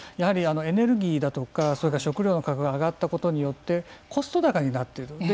エネルギーだとか食料の価格が上がったことによってコスト高になっている。